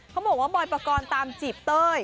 บอกว่าบอยปกรณ์ตามจีบเต้ย